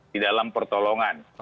di dalam pertolongan